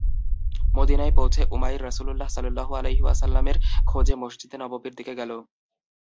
মদীনায় পৌঁছে উমাইর রাসূলুল্লাহ সাল্লাল্লাহু আলাইহি ওয়াসাল্লামের খোঁজে মসজিদে নববীর দিকে গেল।